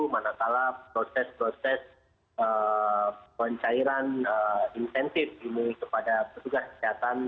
manakala proses proses pencairan insentif ini kepada petugas kesehatan